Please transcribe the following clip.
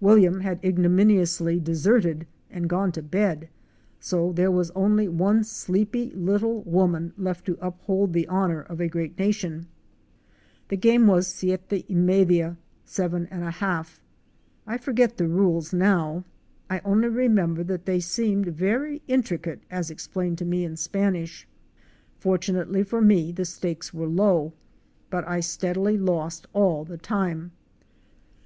W—— had ignominiously deserted and gone to bed, so there was only one sleepy little woman left to uphold the honor of a great nation! The game was '' Siete y media,' —"' seven and a half." I forget the rules now. I only remember that they seemed very intricate as explained to me in Spanish. Fortunately for me, the stakes were low, for I steadily lost all the time.